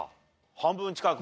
半分近く。